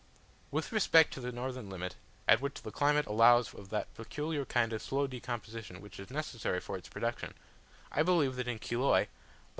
With respect to the northern limit, at which the climate allows of that peculiar kind of slow decomposition which is necessary for its production, I believe that in Chiloe (lat.